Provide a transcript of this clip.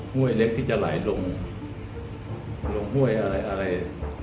ห้วยเล็กจริงที่จะไหลลง